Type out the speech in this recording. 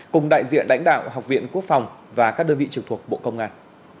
cùng đại diện lãnh đạo học viện quốc phòng và các đơn vị trực thuộc bộ công an